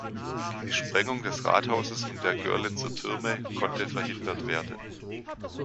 Die Sprengung des Rathauses und der Görlitzer Türme konnte verhindert werden.